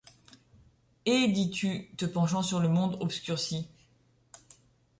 Et dis-tu, te penchant sur le monde obscurci